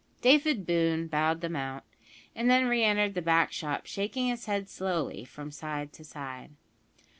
David Boone bowed them out, and then re entered the back shop, shaking his head slowly from side to side.